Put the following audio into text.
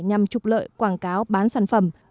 nhằm trục lợi quảng cáo bán sản phẩm